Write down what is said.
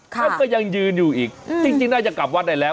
ค่ะก็ยังยืนอยู่อีกอืมจริงจริงน่าจะกลับวัดได้แล้ว